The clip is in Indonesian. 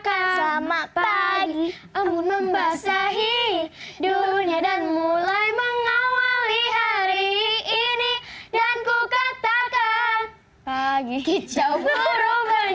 kata sama pagi ambun membasahi dunia dan mulai mengawali hari ini dan kukatakan pagi kicau burung